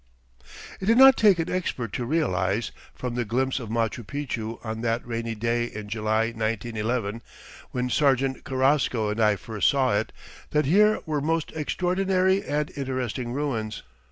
It did not take an expert to realize, from the glimpse of Machu Picchu on that rainy day in July, 1911, when Sergeant Carrasco and I first saw it, that here were most extraordinary and interesting ruins.